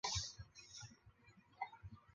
克瑞乌萨。